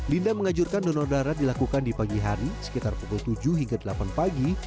linda mengajurkan donor darah dilakukan di pagi hari sekitar pukul tujuh hingga delapan pagi